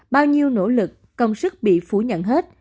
bao nhiêu nỗ lực công sức bị phủ nhận hết